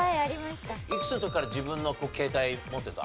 いくつの時から自分の携帯持ってた？